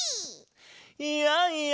いやいや